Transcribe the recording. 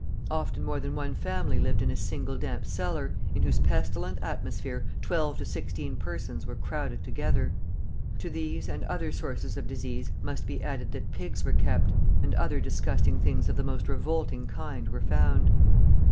Often more than one family lived in a single damp cellar, in whose pestilent atmosphere twelve to sixteen persons were crowded together. To these and other sources of disease must be added that pigs were kept, and other disgusting things of the most revolting kind were found.